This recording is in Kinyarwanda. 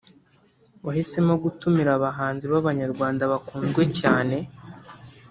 wahisemo gutumira abahanzi b’Abanyarwanda bakunzwe cyane